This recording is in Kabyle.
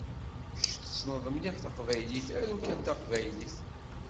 Kečč tessneḍ mliḥ taqbaylit aru kan taqbaylit.